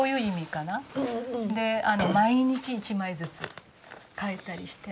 毎日１枚ずつ描いたりして。